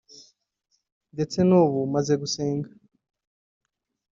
ndetse n’ubu maze gusenga